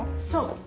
そう！